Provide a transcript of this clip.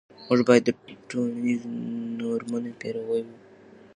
موږ باید د ټولنیزو نورمونو پیروي وکړو.